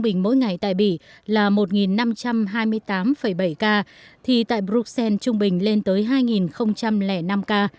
trung bình mỗi ngày tại bỉ là một năm trăm hai mươi tám bảy ca thì tại bruxelles trung bình lên tới hai năm ca